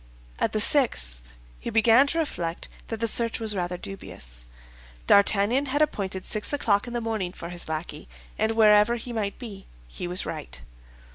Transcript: At the sixth he began to reflect that the search was rather dubious. D'Artagnan had appointed six o'clock in the morning for his lackey, and wherever he might be, he was right.